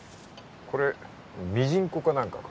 これミジンコか何かか？